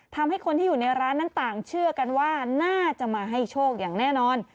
ทำให้คนที่อยู่ในร้านนั้นต่างเชื่อกันว่าน่าจะมาให้โชคอย่างแน่นอน